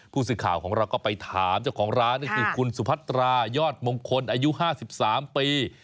ผู้สื่อข่าวของเราก็ไปถามเจ้าของร้านก็คือคุณสุพัตรายอดมงคลอายุ๕๓ปี